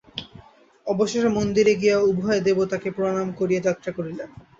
অবশেষে মন্দিরে গিয়া উভয়ে দেবতাকে প্রণাম করিয়া যাত্রা করিলেন।